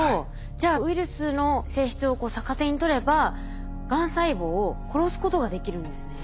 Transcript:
じゃあウイルスの性質を逆手に取ればがん細胞を殺すことができるんですね。